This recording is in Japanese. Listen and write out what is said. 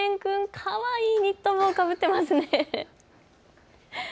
かわいいニット帽をかぶっていますね。